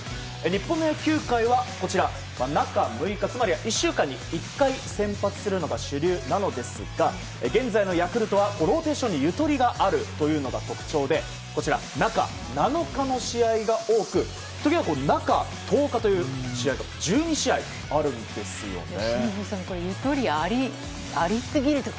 日本の野球界は中６日つまり１週間に１回先発するのが主流なのですが現在のヤクルトはローテーションにゆとりがあるというのが特徴で、中７日の試合が多く中１０日という試合が１２試合あるんですね。